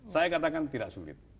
saya katakan tidak sulit